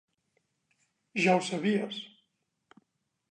Ja ho sabies.